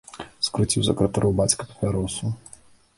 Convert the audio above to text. Скруціў сакратароў бацька папяросу.